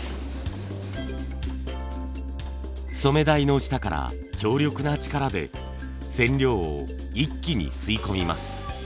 染め台の下から強力な力で染料を一気に吸い込みます。